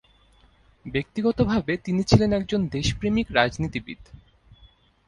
ব্যক্তিগতভাবে তিনি ছিলেন একজন দেশপ্রেমিক রাজনীতিবিদ।